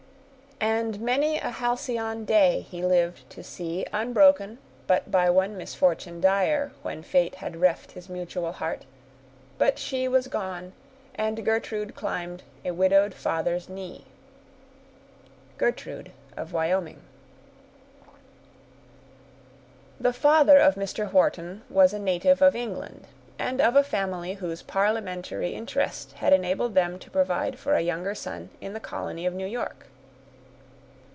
And many a halcyon day he lived to see Unbroken, but by one misfortune dire, When fate had reft his mutual heart—but she Was gone and Gertrude climbed a widowed father's knee. —Gertrude of Wyoming. The father of Mr. Wharton was a native of England, and of a family whose parliamentary interest had enabled them to provide for a younger son in the colony of New York.